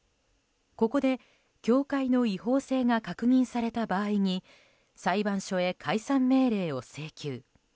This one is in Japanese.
ここで教会の違法性が確認された場合に裁判所へ解散命令を請求。